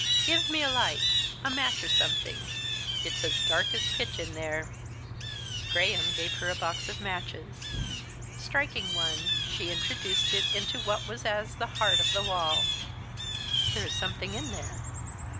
"Give me a light a match, or something. It's as dark as pitch in there." Graham gave her a box of matches. Striking one, she introduced it into what was as the heart of the wall. "There is something in there!"